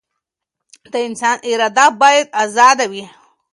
د انسان اراده بايد ازاده وي.